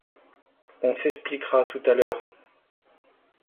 On s’expliquera tout à l’heure...